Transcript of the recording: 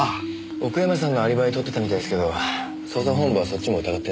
奥山さんのアリバイ取ってたみたいですけど捜査本部はそっちも疑ってんすか？